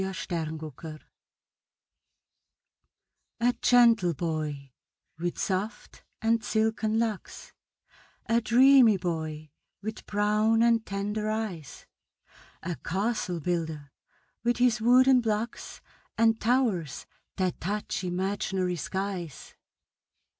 THE CASTLE BUILDER A gentle boy, with soft and silken locks A dreamy boy, with brown and tender eyes, A castle builder, with his wooden blocks, And towers that touch imaginary skies.